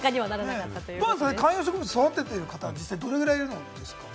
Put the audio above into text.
観葉植物、育ててる方、実際、どれぐらいいるんですかね？